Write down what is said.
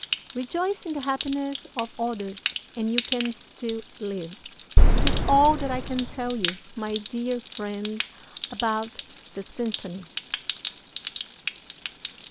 Rejoice in the happiness of others and you can still live. "This is all that I can tell you, my dear friend, about the symphony...."